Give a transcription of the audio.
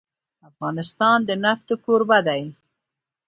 افغانستان د نفت کوربه دی.